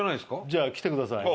じゃあ来てください